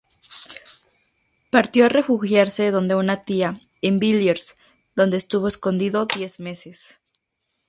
Partió a refugiarse donde una tía, en Villiers, donde estuvo escondido diez meses.